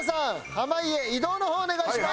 濱家移動の方をお願いします。